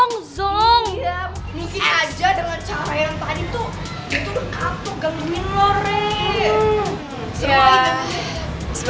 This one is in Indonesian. itu udah kapok gangguin lo reh